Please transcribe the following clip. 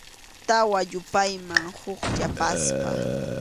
Tawa yupayman huk yapasqa.